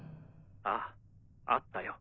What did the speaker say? ああ会ったよ。